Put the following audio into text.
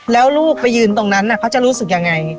แล้วลูกไปยืนตรงนั้นเขาจะรู้สึกยังไง